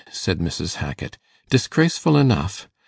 said Mrs. Hackit, 'disgraceful enough.